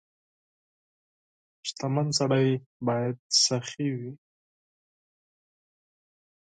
• شتمن سړی باید سخي وي.